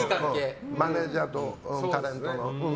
マネジャーとタレントの。